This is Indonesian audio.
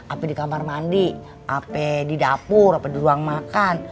apakah di kamar mandi apakah di dapur apakah di ruang makan